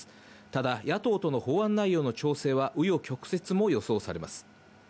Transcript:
ただ野党との法案内容の調整には紆余曲折も予想されます。